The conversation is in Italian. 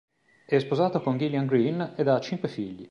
È sposato con Gillian Greene ed ha cinque figli.